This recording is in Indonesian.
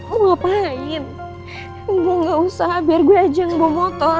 lu ngapain gua gausah biar gua ajak bawa motor